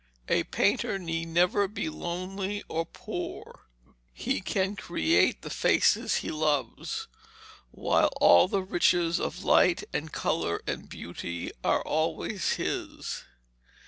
A painter need never be lonely or poor. He can create the faces he loves, while all the riches of light and colour and beauty are always his.